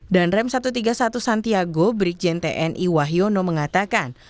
dan rem satu ratus tiga puluh satu santiago brigjen tni wahyono mengatakan